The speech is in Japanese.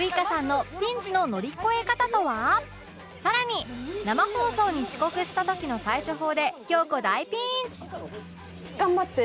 さらに生放送に遅刻した時の対処法で京子大ピンチ！